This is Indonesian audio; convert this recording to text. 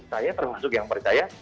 saya termasuk yang percaya